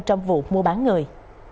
trong vụ mua bán người